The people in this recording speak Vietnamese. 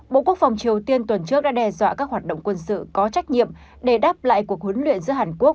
bộ quốc phòng triều tiên tuần trước đã đe dọa các hoạt động quân sự có trách nhiệm để đáp lại cuộc huấn luyện giữa hàn quốc